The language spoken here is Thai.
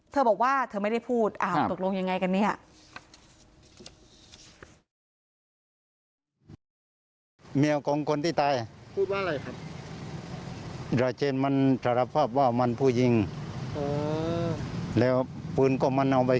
เธอบอกว่าเธอไม่ได้พูดตกลงยังไงกันเนี่ย